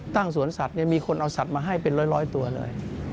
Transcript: สวนสัตว์มีคนเอาสัตว์มาให้เป็นร้อยตัวเลย